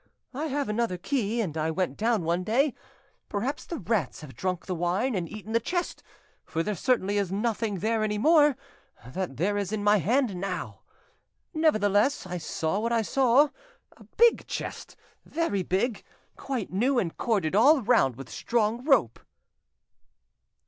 I have another key, and I went down one day; perhaps the rats have drunk the wine and eaten the chest, for there certainly is nothing there any more than there is in my hand now. Nevertheless, I saw what I saw. A big chest, very big, quite new, and corded all round with strong rope."